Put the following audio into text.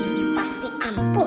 ini pasti ampun